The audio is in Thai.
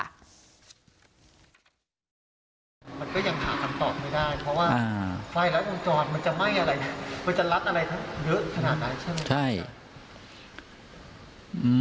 มันก็ยังหาคำตอบไม่ได้เพราะว่าไฟรัดวงจรมันจะไหม้อะไรมันจะรัดอะไรเยอะขนาดนั้นใช่ไหม